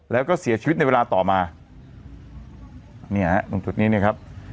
แล้วก็เสียชีวิตในเวลาต่อมาเนี่ยฮะตรงจุดนี้เนี่ยครับ